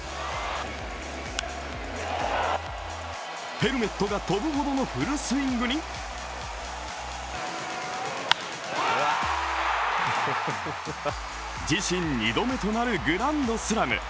ヘルメットが飛ぶほどのフルスイングに自身２度目となるグランドスラム。